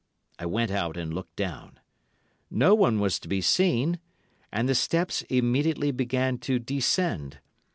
I went out and looked down. No one was to be seen, and the steps immediately began to descend.